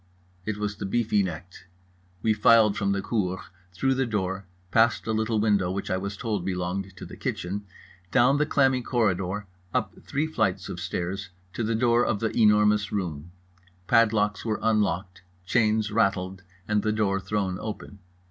It was the beefy necked. We filed from the cour, through the door, past a little window which I was told belonged to the kitchen, down the clammy corridor, up the three flights of stairs, to the door of The Enormous Room. Padlocks were unlocked, chains rattled, and the door thrown open.